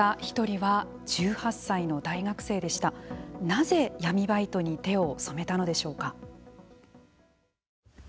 なぜ闇バイトに手を染めたのでしょうか。